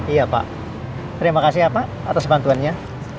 iya pak terima kasih pak atas bantuannya